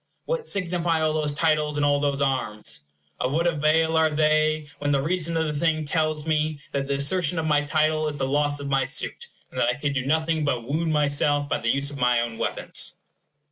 What signify all those titles, and all those arms? Of what avail are they, when the reason of the thing tells me that the assertion of my title is the loss of my suit, and that I could do nothing but wound myself by the use of my own weapons?